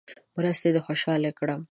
مرستې دې خوشاله کړم.